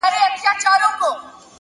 پوهه د شک پر ځای وضاحت راولي؛